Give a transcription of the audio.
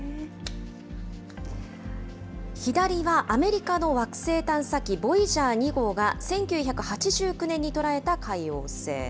左はアメリカの惑星探査機、ボイジャー２号が１９８９年に捉えた海王星。